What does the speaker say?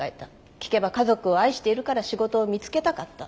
聞けば家族を愛しているから仕事を見つけたかった。